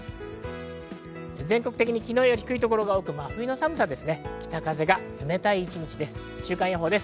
全国的にきのうより低い所が多く真冬の寒さです。